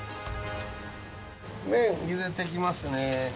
麺をゆでていきますね。